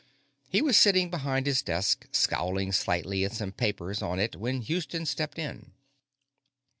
He was sitting behind his desk, scowling slightly at some papers on it when Houston stepped in.